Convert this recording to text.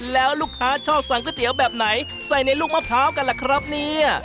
แล้วลูกค้าชอบสั่งก๋วยเตี๋ยวแบบไหนใส่ในลูกมะพร้าวกันล่ะครับเนี่ย